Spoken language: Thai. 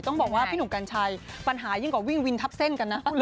ต้องบอกว่าพี่หนุ่มกัญชัยปัญหายิ่งกว่าวิ่งวินทับเส้นกันนะ